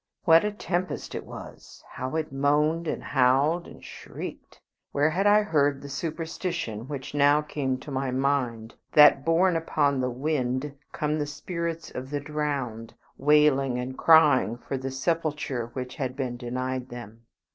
What a tempest it was! How it moaned, and howled, and shrieked! Where had I heard the superstition which now came to my mind, that borne upon the wind come the spirits of the drowned, wailing and crying for the sepulture which had been denied them?